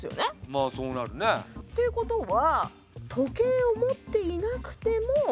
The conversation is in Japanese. まあそうなるね。ということは時計を持っていなくても。